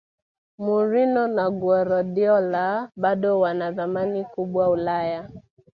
mourinho na guardiola bado wana thamani kubwa ulaya